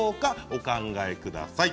お考えください。